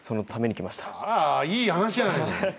あらいい話じゃないの。